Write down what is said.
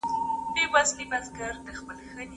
ولي کورني شرکتونه طبي درمل له چین څخه واردوي؟